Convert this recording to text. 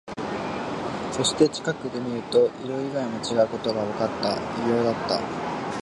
そして、近くで見ると、色以外も違うことがわかった。異様だった。